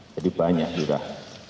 jadi banyak sudah